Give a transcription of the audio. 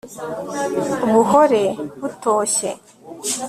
buhore butoshye